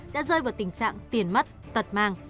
đã rơi vào tình trạng tiền mất tật màng